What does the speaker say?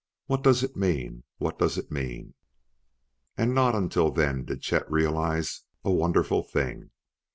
What does it mean? What does it mean!" And not until then did Chet realize a wonderful thing.